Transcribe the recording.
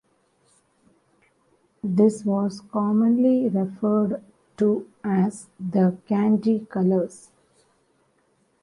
This was commonly referred to as the candy colours.